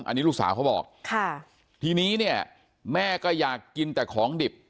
อันนี้ลูกสาวเขาบอกค่ะทีนี้เนี่ยแม่ก็อยากกินแต่ของดิบ